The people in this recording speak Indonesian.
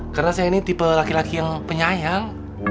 karena saya ini tipe laki laki yang penyayang